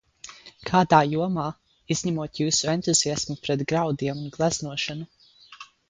Kādā jomā, izņemot jūsu entuziasmu pret graudiem un gleznošanu?